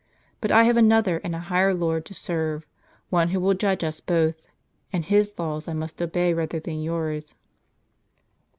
But I have another, and a higher Lord to serve ; one who will judge us both ; and His laws I must obey rather than yours."